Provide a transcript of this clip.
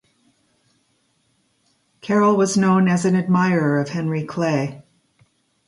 Carroll was known as an admirer of Henry Clay.